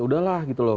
udahlah gitu loh